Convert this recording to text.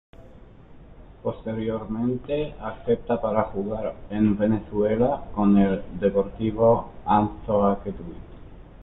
Posteriormente acepta para jugar en Venezuela con el Deportivo Anzoátegui.